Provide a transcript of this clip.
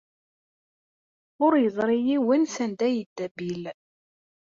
Yiwen ur yeẓri sanda ay yedda Bill.